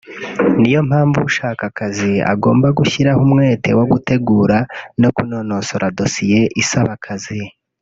Niyo mpamvu ushaka akazi agomba gushyiraho umwete mu gutegura no kunonosora dosiye isaba akazi